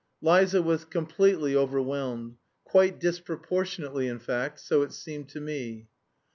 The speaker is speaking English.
Liza was completely overwhelmed, quite disproportionately in fact, so it seemed to me.